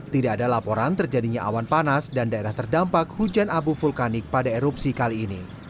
tidak ada laporan terjadinya awan panas dan daerah terdampak hujan abu vulkanik pada erupsi kali ini